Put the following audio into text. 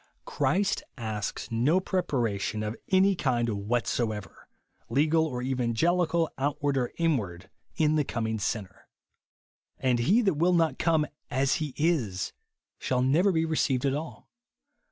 Christ asks no preparation of any kind whatsoever, — legal or evangelical, outward or inward; — in the coming sinner. And he 166 INSENSriill.ITV. that will not come as he is shall never bo leceived at all.